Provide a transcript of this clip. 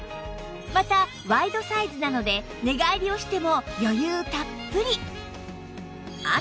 またワイドサイズなので寝返りをしても余裕たっぷり